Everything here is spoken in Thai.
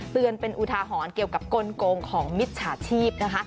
เตือนเป็นอุทาหรณ์เกี่ยวกับกลงของมิจฉาชีพนะคะ